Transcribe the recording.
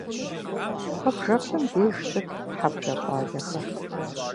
Куэбжэпэм деж щытт хьэблэ щӏалэхэр.